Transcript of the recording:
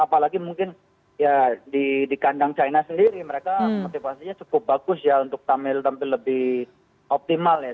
apalagi mungkin ya di kandang china sendiri mereka motivasinya cukup bagus ya untuk tampil lebih optimal ya